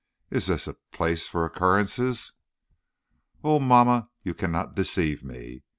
Is this a place for occurrences?" "Oh, mamma! you cannot deceive me.